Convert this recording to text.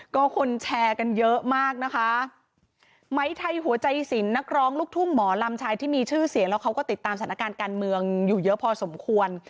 ก็คนแชร์กันเยอะมากนะคะไม้ไทยหัวใจสินนักร้องลูกทุ่งหมอลำชายที่มีชื่อเสียงแล้วเขาก็ติดตามสถานการณ์การเมืองอยู่เยอะพอสมควร